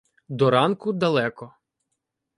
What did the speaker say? До ранку далеко.